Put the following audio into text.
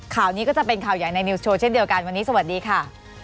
ข่าวนี้ก็จะเป็นข่าวใหญ่ในนิวสโชว์เช่นเดียวกันวันนี้สวัสดีค่ะ